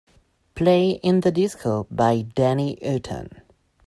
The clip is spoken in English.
play In The Disco by Danny Hutton